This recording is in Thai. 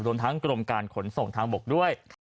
รวมทั้งกรมการขนส่งทางบกด้วย